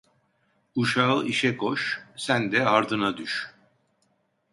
Uşağı işe koş, sen de ardına düş.